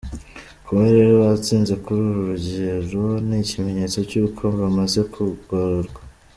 Kuba rero batsinze kuri uru rugero ni ikimenyetso cy’uko bamaze kugororwa.